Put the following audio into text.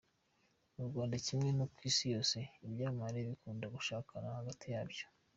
Mu Rwanda kimwe no ku isi yose, ibyamamare bikunda gushakana hagati yabyo.